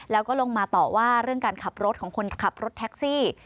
แล้วก็ลงมาต่อว่าเรื่องการขับรถของคนขับรถแท็กซี่